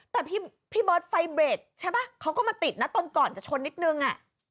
แต่พี่เบิร์ตไฟเบรกใช่ป่ะเขาก็มาติดนะตอนก่อนจะชนนิดนึง